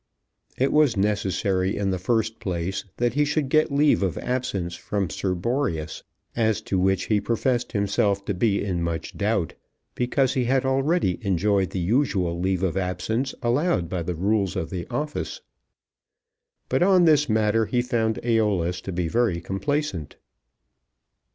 It was necessary in the first place that he should get leave of absence from Sir Boreas, as to which he professed himself to be in much doubt, because he had already enjoyed the usual leave of absence allowed by the rules of the office. But on this matter he found Æolus to be very complaisant.